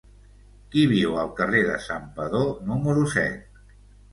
Qui viu al carrer de Santpedor número set?